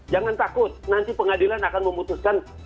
jangan takut nanti pengadilan akan memutuskan